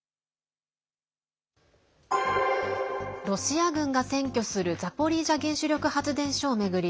ロシア軍が占拠するザポリージャ原子力発電所を巡り